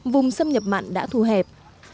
vùng xâm nhập mặn đã thu hẹp